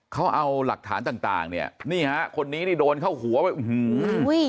เขาเอาหลักฐานต่างต่างเนี่ยนี่ฮะคนนี้นี่โดนเข้าหัวไปอื้อหือ